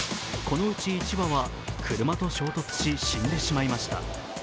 このうち１羽は車と衝突し、死んでしまいました。